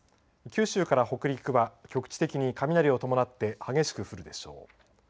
九州から北陸は局地的に雷を伴って激しく降るでしょう。